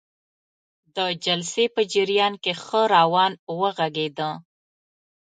د جلسې په جریان کې ښه روان وغږیده.